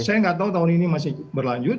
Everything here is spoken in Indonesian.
saya nggak tahu tahun ini masih berlanjut